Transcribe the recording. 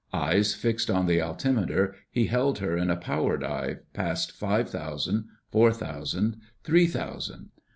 Eyes fixed on the altimeter, he held her in a power dive, past five thousand, four thousand, three thousand....